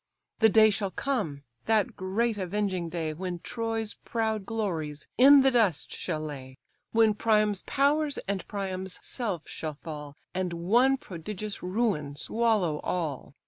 The day shall come, that great avenging day, When Troy's proud glories in the dust shall lay, When Priam's powers and Priam's self shall fall, And one prodigious ruin swallow all.